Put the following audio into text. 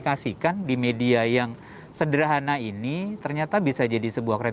tak hanya anak anak orang orang yang berpengalaman untuk menggambar dan melukis